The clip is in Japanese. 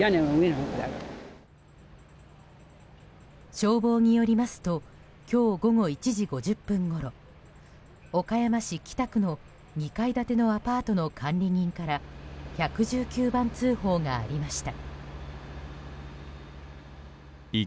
消防によりますと今日午後１時５０分ごろ岡山市北区の２階建てのアパートの管理人から１１９番通報がありました。